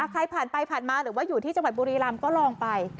ใครผ่านไปผ่านมาหรือว่าอยู่ที่จังหวัดบุรีรำก็ลองไป